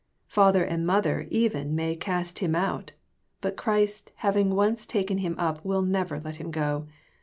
Father and mother even may cast him out, but Christ having once taken him up will never let him go.